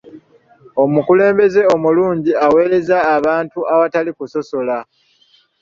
Omukulembeze omulungi aweereza abantu awatali kusosola.